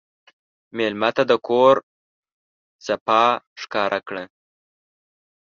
مېلمه ته د کور صفا ښکاره کړه.